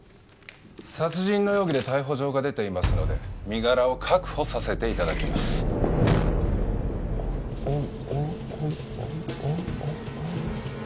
殺人の容疑で逮捕状が出ていますので身柄を確保させていただきますおう